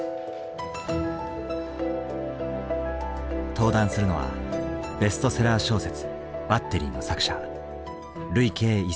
登壇するのはベストセラー小説「バッテリー」の作者。